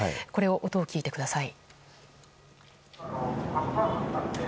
音を聞いてください。